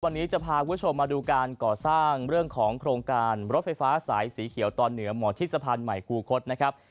วันนี้จะพาคุณผู้ชมมาดูการก่อสร้างเรื่องของโครงการรถไฟฟ้าสายสีเขียวตอนเหนือหมอทิศสะพานใหม่คูคศนะครับ